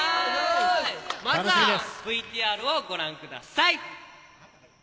まずはＶＴＲをご覧ください。